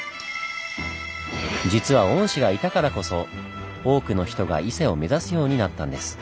実は御師がいたからこそ多くの人が伊勢を目指すようになったんです。